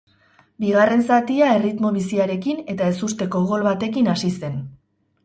Bigarren zatia erritmo biziarekin eta ezusteko gol batekin hasi zen.